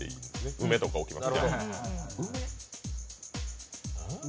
うめとか置きます？